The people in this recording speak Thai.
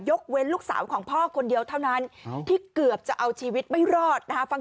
ยกไว้ลูกสาวของพ่อคนเดียวเท่านั้นที่คือจะเอาชีวิตไม่รอด